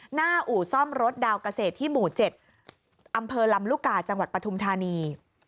หน้าอู่ซ่อมรถดาวกเศษที่หมู่เจ็ดอำเภอลำรุกาจังหวัดปฐมธานี